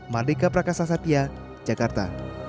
mardika prakasa satya jakarta